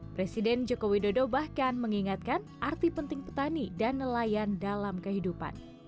presiden joko widodo bahkan mengingatkan arti penting petani dan nelayan dalam kehidupan